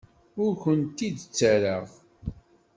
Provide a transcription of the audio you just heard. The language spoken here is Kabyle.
Ur kent-id-ttarraɣ.